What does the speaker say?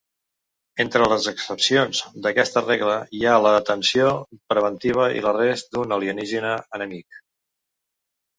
Entre les excepcions d'aquesta regla hi ha la detenció preventiva i l'arrest d'un alienígena enemic.